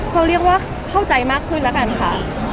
เขาเรียกว่าเข้าใจมากขึ้นแล้วกันค่ะ